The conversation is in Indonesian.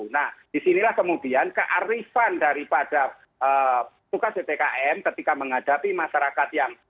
nah disinilah kemudian kearifan daripada tugas ppkm ketika menghadapi masyarakat yang